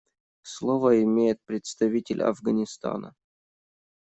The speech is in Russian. Слово имеет представитель Афганистана.